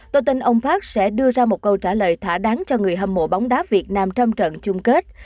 tôi tin ông park sẽ đưa ra một câu trả lời thỏa đáng cho người hâm mộ bóng đá việt nam trong trận chung kết